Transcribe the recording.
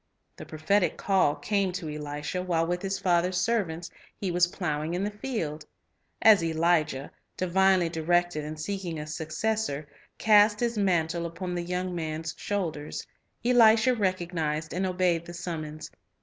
The prophetic call came to Elisha while with his father's servants he was plowing in the field. As Elijah, divinely directed in seeking a successor, cast his mantle upon the young man's shoulders, Elisha recognized and obeyed the summons.